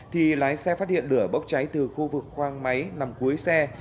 thì lái xe phát hiện lửa bốc cháy từ khu vực khoang máy nằm cuối xe